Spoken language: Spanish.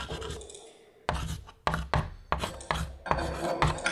Este fue el primer hospital perteneciente a la Seguridad Social en la Comunidad Valenciana.